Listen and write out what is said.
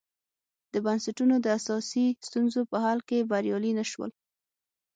د بنسټونو د اساسي ستونزو په حل کې بریالي نه شول.